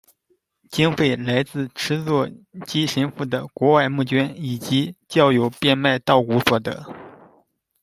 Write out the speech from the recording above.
经费来自池作基神父的国外募款，以及教友变卖稻谷所得。